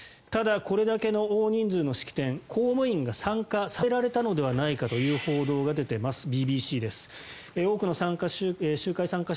ただこれだけの大人数の式典公務員が参加させられたのではないのかという報道が出ています。